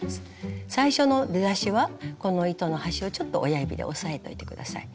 最初の出だしはこの糸の端をちょっと親指で押さえといて下さい。